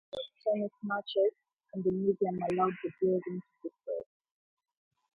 The combination of tennis matches and the museum allowed the building to be saved.